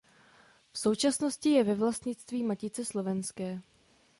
V současnosti je ve vlastnictví Matice slovenské.